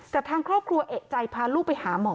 แต่ทางครอบครัวเอกใจพาลูกไปหาหมอ